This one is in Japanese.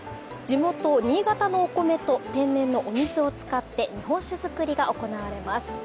地元・新潟のお米と天然のお水を使って日本酒造りが行われます。